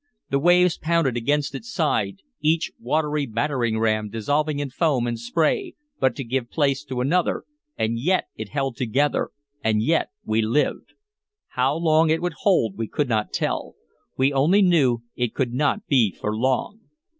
The waves pounded against its side, each watery battering ram dissolving in foam and spray but to give place to another, and yet it held together, and yet we lived. How long it would hold we could not tell; we only knew it could not be for long.